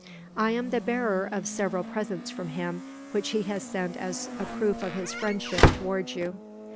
I am the bearer of several presents from him, which he has sent as a proof of his friendship towards you."